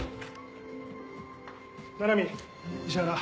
七海石原。